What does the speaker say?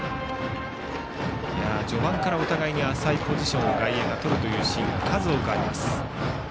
序盤からお互いに浅いポジションを外野がとるというシーンが数多くあります。